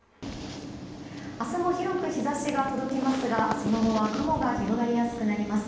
明日も広く日差しが届きますがその後は雲が広がりやすくなります。